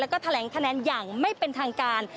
แล้วก็แถลงคะแนนอย่างไม่เป็นทางการ